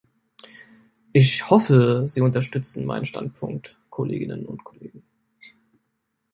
Ich hoffe, Sie unterstützen meinen Standpunkt, Kolleginnen und Kollegen.